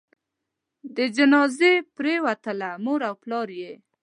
د جنازې پروتله؛ مور او پلار یې